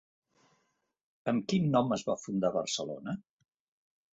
Amb quin nom es va fundar Barcelona?